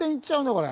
これ。